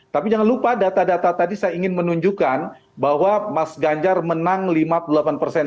tapi jangan lupa data data tadi saya ingin menunjukkan bahwa mas ganjar menang lima puluh delapan persen